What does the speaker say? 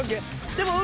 でも。